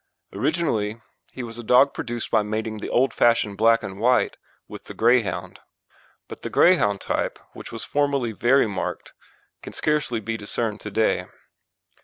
Originally he was a dog produced by mating the old fashioned black and white with the Greyhound. But the Greyhound type, which was formerly very marked, can scarcely be discerned to day.